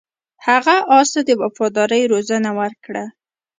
هغه اس ته د وفادارۍ روزنه ورکړه.